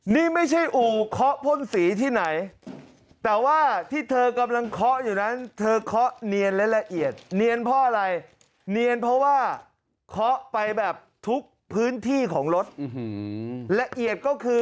นี่ไม่ใช่อู่เคาะพ่นสีที่ไหนแต่ว่าที่เธอกำลังเคาะอยู่นั้นเธอเคาะเนียนและละเอียด